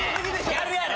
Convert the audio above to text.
やるやろ！